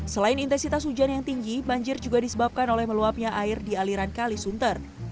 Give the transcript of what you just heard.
selain intensitas hujan yang tinggi banjir juga disebabkan oleh meluapnya air di aliran kalisunter